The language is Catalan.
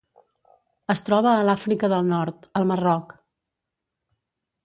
Es troba a l'Àfrica del Nord: el Marroc.